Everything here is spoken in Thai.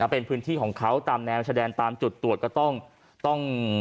เป็นพื้นที่ของเขาตามแนวชายแดนตามจุดตรวจก็ต้อง